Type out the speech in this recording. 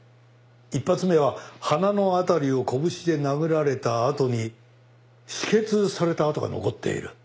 １発目は鼻の辺りを拳で殴られたあとに止血された痕が残っている。